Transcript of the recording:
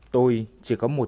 tôi chỉ có một lời